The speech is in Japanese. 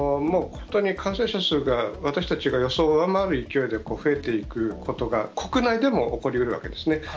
もう本当に感染者数が私たちが予想を上回る勢いで増えていくことが、国内でも起こりうるわけですね。